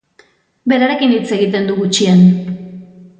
Berarekin hitz egiten du gutxien.